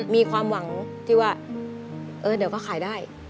มีความหวังที่ว่าเออเดี๋ยวก็ขายได้